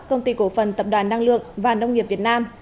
công ty cổ phần tập đoàn năng lượng và nông nghiệp việt nam